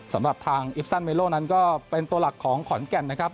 สำหรับทางอิปซันเมโลนั้นก็เป็นตัวหลักของขอนแก่นนะครับ